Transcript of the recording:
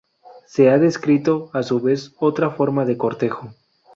Se ha descrito, a su vez, otra forma de cortejo.